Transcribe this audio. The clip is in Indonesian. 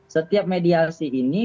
setiap mediasi ini